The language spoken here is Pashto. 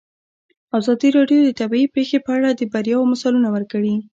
ازادي راډیو د طبیعي پېښې په اړه د بریاوو مثالونه ورکړي.